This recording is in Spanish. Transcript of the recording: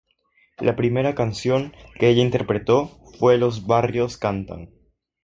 La primera canción que ella interpretó fue "Los Barrios Cantan".